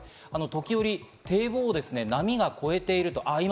時より堤防を波が越えている。